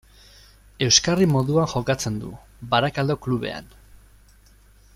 Euskarri moduan jokatzen du, Barakaldo klubean.